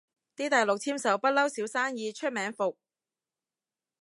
啲大陸簽售不嬲少生意，出名伏